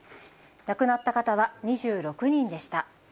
亡くなった方は２６人でした。